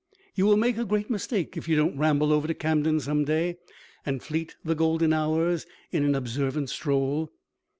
You will make a great mistake if you don't ramble over to Camden some day and fleet the golden hours in an observant stroll.